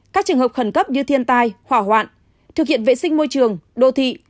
các trường hợp khẩn cấp như thiên tai hỏa hoạn thực hiện vệ sinh môi trường đô thị